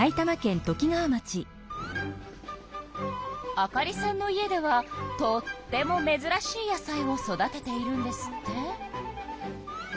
あかりさんの家ではとってもめずらしい野菜を育てているんですって。